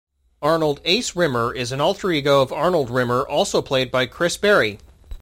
Arnold "Ace" Rimmer is an alter-ego of Arnold Rimmer, also played by Chris Barrie.